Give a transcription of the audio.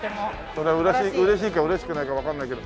それは嬉しいか嬉しくないかわかんないけど。